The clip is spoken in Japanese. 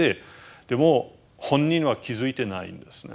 でも本人は気付いてないんですね。